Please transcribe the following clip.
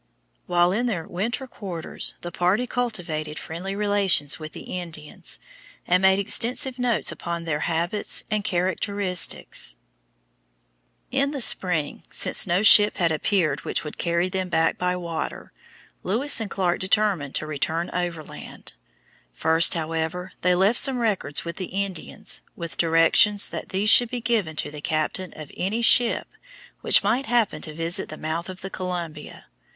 While in their winter quarters the party cultivated friendly relations with the Indians, and made extensive notes upon their habits and characteristics. [Illustration: FIG. 70. THE CASCADES OF THE COLUMBIA A steamer going up to the locks] In the spring, since no ship had appeared which would carry them back by water, Lewis and Clark determined to return overland. First, however, they left some records with the Indians, with directions that these should be given to the captain of any ship which might happen to visit the mouth of the Columbia.